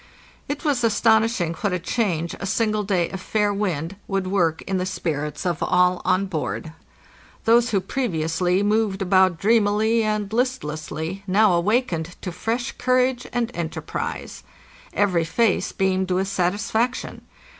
It was astonishing what a change a single day of fair wind would work in the spirits of all on board. Those who previously moved about dreamily and listlessly now awakened to fresh courage and enterprise. Every face beamed with satisfaction.